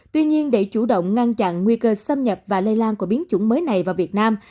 tuy nhiên để chủ động ngăn chặn nguy cơ xâm nhập và lây lan của biến chủng mới này vào việt nam